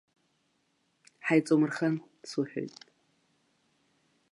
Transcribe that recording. Ҳаиҵоумырхан, суҳәоит.